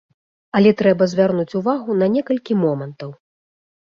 Але трэба звярнуць увагу на некалькі момантаў.